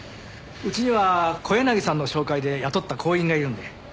うちには小柳さんの紹介で雇った工員がいるんで。